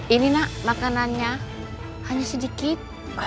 ini nak makanannya hanya sedikit